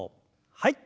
はい。